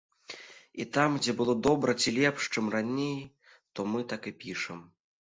І там, дзе было добра ці лепш, чым раней, то мы так і пішам.